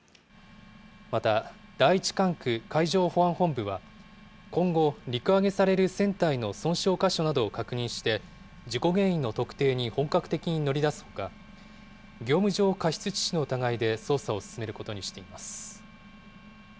また第１管区海上保安本部は、今後、陸揚げされる船体の損傷箇所などを確認して、事故原因の特定に本格的に乗り出すほか、業務上過失致死の疑いで捜査を進めることにしています。